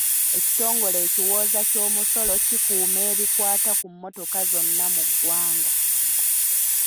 Ekitongole ekiwooza ky'omusolo kikuuma ebikwata ku mmotoka zonna mu ggwanga.